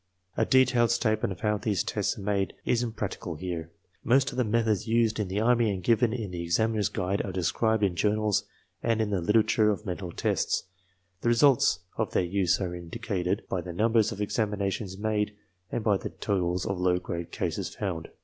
A detailed statement of how these tests are made is impracti MAKING THE TESTS 11 cable here. Most of the methods used in the army and given in the Examiner's Guide are described in journals and in the litera ture of mental tests. The results of their use are indicated by the numbers of examinations made and by the totals of low grade cases found.